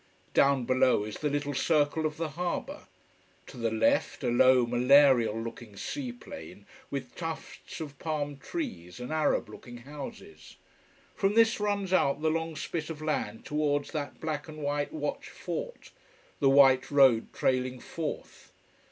Down below is the little circle of the harbour. To the left a low, malarial looking sea plain, with tufts of palm trees and Arab looking houses. From this runs out the long spit of land towards that black and white watch fort, the white road trailing forth.